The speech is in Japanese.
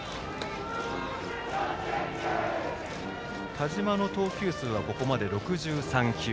田嶋の投球数はここまで６３球。